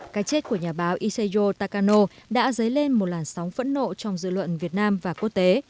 cái chết của nhà báo iseo tacano đã dấy lên một làn sóng phẫn nộ trong dự luận việt nam và quốc tế